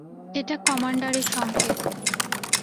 এটা কমান্ডারের সংকেত!